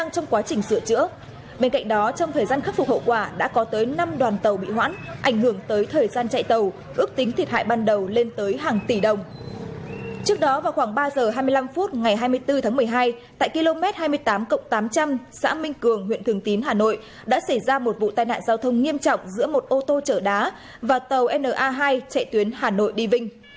trong khoảng ba h hai mươi năm phút ngày hai mươi bốn tháng một mươi hai tại km hai mươi tám cộng tám trăm linh xã minh cường huyện thường tín hà nội đã xảy ra một vụ tai nạn giao thông nghiêm trọng giữa một ô tô chở đá và tàu na hai chạy tuyến hà nội đi vinh